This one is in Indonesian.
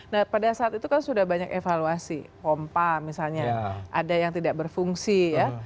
nah pada saat itu kan sudah banyak evaluasi pompa misalnya ada yang tidak berfungsi ya